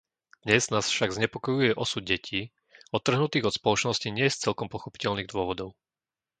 Dnes nás však znepokojuje osud detí odtrhnutých od spoločnosti nie z celkom pochopiteľných dôvodov.